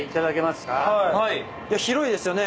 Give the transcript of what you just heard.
広いですよね。